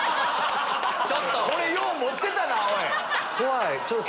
これよう持ってたな。